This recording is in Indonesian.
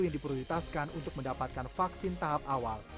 yang diprioritaskan untuk mendapatkan vaksin tahap awal